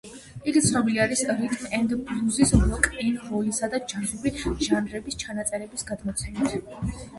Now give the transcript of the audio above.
იგი ცნობილი არის რიტმ-ენდ-ბლუზის, როკ-ენ-როლისა და ჯაზური ჟანრების ჩანაწერების გამოცემით.